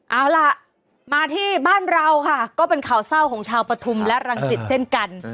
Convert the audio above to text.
เอาล่ะมาที่บ้านเราค่ะก็เป็นข่าวเศร้าของชาวปฐุมและรังสิตเช่นกัน